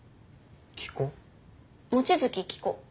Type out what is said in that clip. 望月希子。